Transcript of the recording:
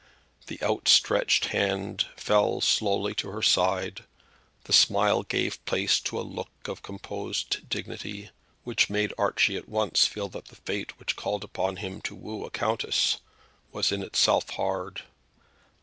The outstretched hand fell slowly to her side, the smile gave place to a look of composed dignity which made Archie at once feel that the fate which called upon him to woo a countess was in itself hard.